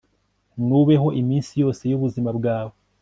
nubeho iminsi yose y'ubuzima bwawe